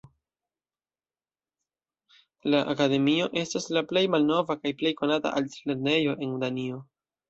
La akademio estas la plej malnova kaj plej konata altlernejo en Danio.